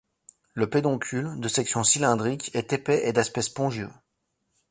Le pédoncule, de section cylindrique, est épais et d'aspect spongieux.